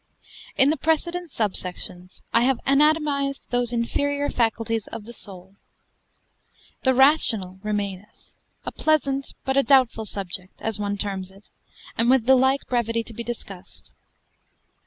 _ In the precedent subsections I have anatomised those inferior faculties of the soul; the rational remaineth, a pleasant, but a doubtful subject (as one terms it), and with the like brevity to be discussed.